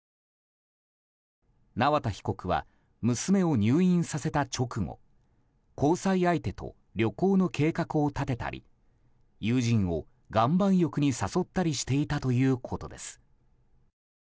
縄田被告は娘を入院させた直後交際相手と旅行の計画を立てたり友人を岩盤浴に誘ったりしていたということです。